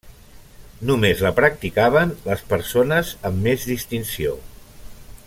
Només la practicaven les persones amb més distinció.